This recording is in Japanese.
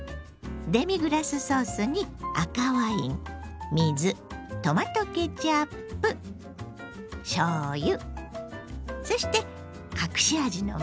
デミグラスソースに赤ワイン水トマトケチャップしょうゆそして隠し味のみそ。